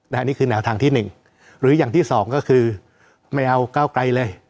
อันนี้คือแนวทางที่หนึ่งหรืออย่างที่สองก็คือไม่เอาก้าวไกลเลย